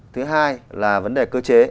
thứ hai là vấn đề cơ chế